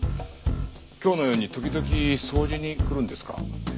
今日のように時々掃除に来るんですか？